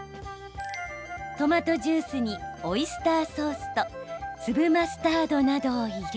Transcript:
トマトジュースにオイスターソースと粒マスタードなどを入れ。